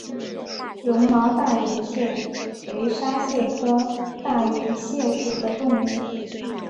绒毛大眼蟹为沙蟹科大眼蟹属的动物。